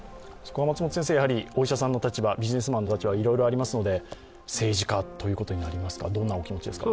お医者さんの立場、ビジネスマンの立場いろいろありますので政治家ということになりますか、どんなお気持ちですか。